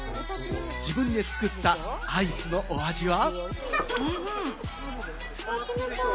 自分で作ったアイスのお味は？